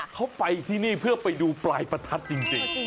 เขาไปที่นี่เพื่อไปดูปลายประทัดจริง